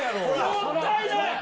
もったいない！